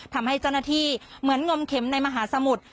ทำให้เจ้าหน้าที่เหมือนงมเข็มในมหาสมุทร